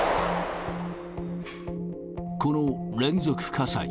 この連続火災。